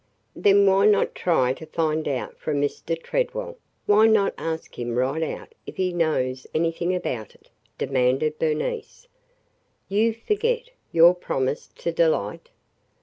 "Then why not try to find out from Mr. Tredwell? Why not ask him right out if he knows anything about it?" demanded Bernice. "You forget – your promise to Delight!"